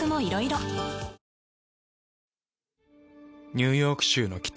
ニューヨーク州の北。